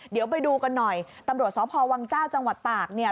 เดี๋ยวไปดูกันหน่อยตำรวจสพวังเจ้าจังหวัดตากเนี่ย